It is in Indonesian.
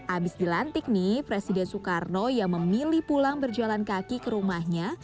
abis dilantik nih presiden soekarno yang memilih pulang berjalan kaki ke rumahnya